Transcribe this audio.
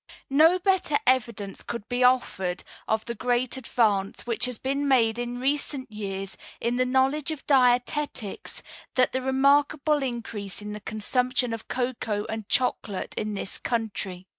No better evidence could be offered of the great advance which has been made in recent years in the knowledge of dietetics than the remarkable increase in the consumption of cocoa and chocolate in this country.